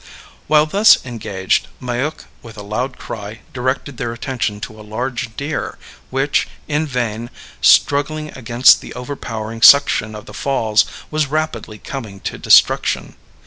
While thus engaged, Maiook, with a loud cry, directed their attention to a large deer, which, in vain struggling against the overpowering suction of the falls, was rapidly coming to destruction.